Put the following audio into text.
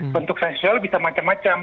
bentuk sanksi sosial bisa macam macam